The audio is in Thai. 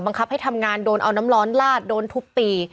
ให้ทำงานโดนเอาน้ำร้อนลาดโดนทุบตี